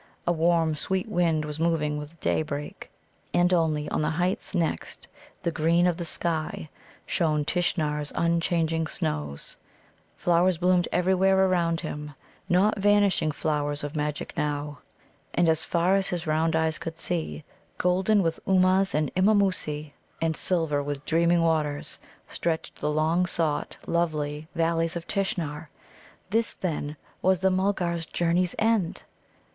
A warm, sweet wind was moving with daybreak, and only on the heights next the green of the sky shone Tishnar's unchanging snows. Flowers bloomed everywhere around him, not vanishing flowers of magic now. And as far as his round eyes could see, golden with Ummuz and Immamoosa, and silver with dreaming waters, stretched the long sought, lovely Valleys of Tishnar. This, then, was the Mulgars' journey's end!